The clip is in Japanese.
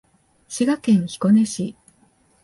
滋賀県彦根市